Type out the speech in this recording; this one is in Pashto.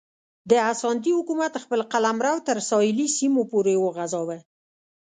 د اسانتي حکومت خپل قلمرو تر ساحلي سیمو پورې وغځاوه.